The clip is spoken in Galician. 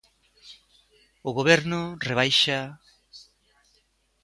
O Goberno rebaixa...